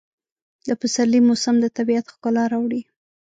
د پسرلي موسم د طبیعت ښکلا راوړي.